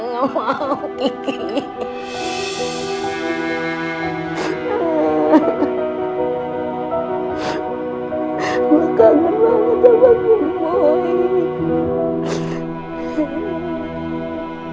gue kaget banget sama bubun